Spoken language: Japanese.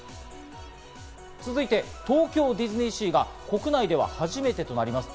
続いて東京ディズニーシーが国内では初めてとなります